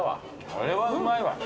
これはうまいわ。